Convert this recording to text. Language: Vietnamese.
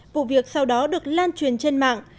vụ việc sau đó được lan truyền trên mạng